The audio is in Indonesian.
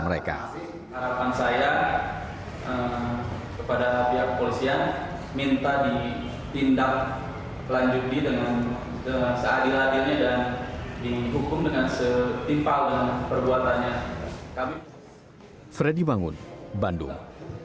harapan saya kepada pihak polisian minta ditindak lanjuti dengan seadil adilnya dan dihukum dengan setimpal dengan perbuatannya